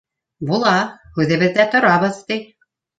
Була! һүҙебеҙҙә торабыҙ, ти...